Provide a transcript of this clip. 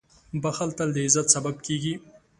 • بښل تل د عزت سبب کېږي.